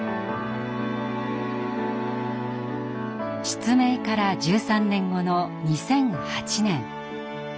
失明から１３年後の２００８年。